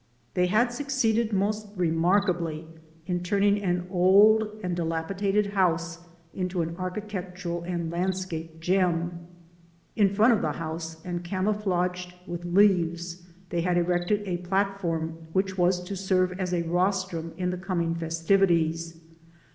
They had suc ceeded most remarkably in turning an old and di lapidated house into an architectural and landscape gem. In front of the house and camouflaged with MY FINAL CHOICE 319 leaves they had erected a platform which was to serve as a rostrum in the coming festivities.